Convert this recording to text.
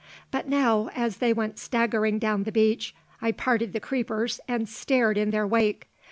But now, as they went staggering down the beach, I parted the creepers, and stared in their wake.